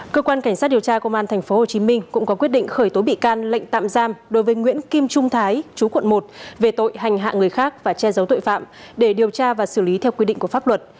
cơ quan cảnh sát điều tra công an tp hcm cũng có quyết định khởi tố bị can lệnh tạm giam đối với nguyễn kim trung thái chú quận một về tội hành hạ người khác và che giấu tội phạm để điều tra và xử lý theo quy định của pháp luật